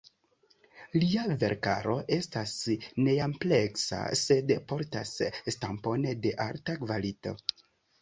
Lia verkaro estas neampleksa, sed portas stampon de alta kvalito.